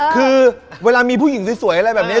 คือเวลามีผู้หญิงสวยอะไรแบบนี้